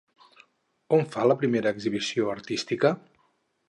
On fa la primera exhibició artística?